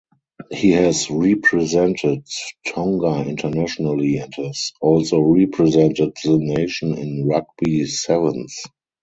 He has represented Tonga internationally and has also represented the nation in Rugby sevens.